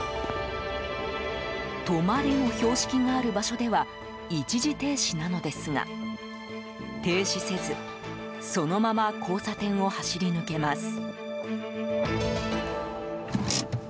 止まれの標識がある場所では一時停止なのですが停止せずそのまま交差点を走り抜けます。